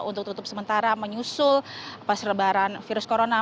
untuk tutup sementara menyusul penyebaran virus corona